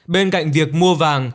bên cạnh việc mua vàng